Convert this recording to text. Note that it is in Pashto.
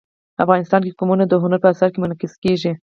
افغانستان کې قومونه د هنر په اثار کې منعکس کېږي.